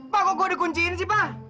pak kok gue dikunciin sih pak